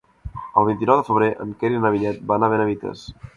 El vint-i-nou de febrer en Quer i na Vinyet van a Benavites.